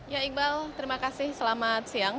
ya iqbal terima kasih selamat siang